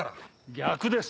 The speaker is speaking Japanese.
逆です！